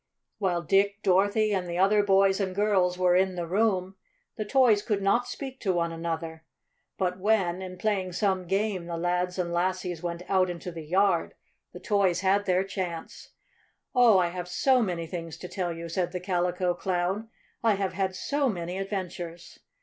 While Dick, Dorothy and the other boys and girls were in the room, the toys could not speak to one another. But when, in playing some game the lads and lassies went out into the yard, the toys had their chance. "Oh, I have so many things to tell you!" said the Calico Clown. "I have had so many adventures!"